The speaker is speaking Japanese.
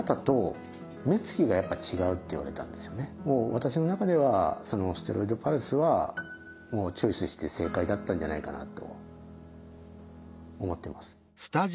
私の中ではステロイドパルスはチョイスして正解だったんじゃないかなと思ってます。